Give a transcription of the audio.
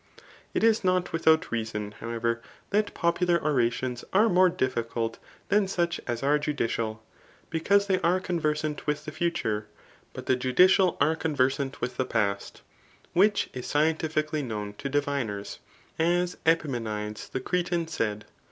'' It is not without reason, however, that popu lar orations are more difficult than^ such as are judicial i because they are conversant with the future ; but the judicial are conversant with the past, which is scientific cally known to diviners, as Epimenides the Cretan said.